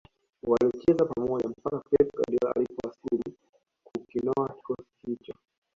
Walicheza pamoja mpaka Pep Guardiola alipowasili kukinoa kikosi hicho